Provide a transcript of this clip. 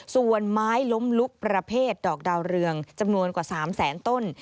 ส่วนไม้ล้มลุกประเภทดอกดาวเรืองจำนวนกว่า๓แสนต้น